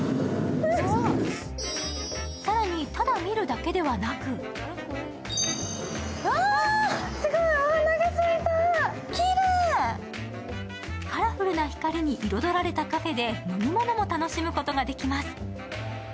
更にただ見るだけではなくカラフルな光に彩られたカフェで飲み物も楽しむことができます。